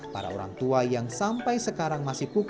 para orang tua yang sampai sekarang masih pupuk